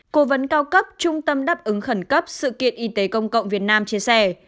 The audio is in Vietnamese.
cố vấn cao cấp trung tâm đáp ứng khẩn cấp sự kiện y tế công cộng việt nam chia sẻ